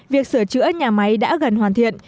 việc sửa chữa nhà máy đã gần hoàn thiện